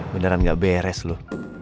beneran gak beres lo